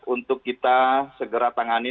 untuk kita segera tangani